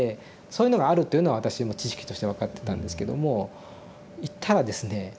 そういうのがあるっていうのは私も知識として分かってたんですけども行ったらですね